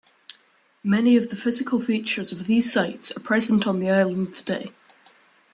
Many of the physical features of these sites are present on the island today.